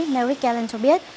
merrick gallen cho biết